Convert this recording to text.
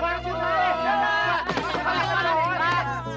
perasaan saya nggak ada tadi bang